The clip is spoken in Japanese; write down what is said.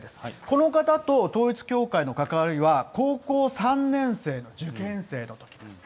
この方と統一教会の関わりは、高校３年生の受験生のときです。